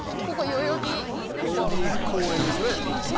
代々木公園ですね。